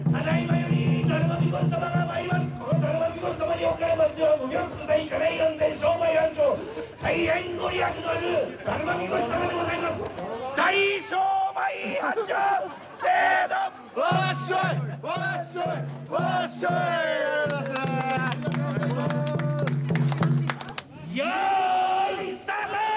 よーい、スタート。